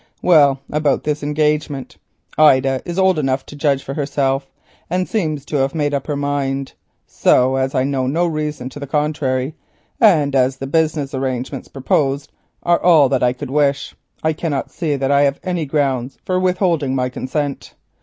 Well, about this engagement. Ida is old enough to judge for herself, and seems to have made up her mind, so as I know no reason to the contrary, and as the business arrangements proposed are all that I could wish, I cannot see that I have any ground for withholding my consent.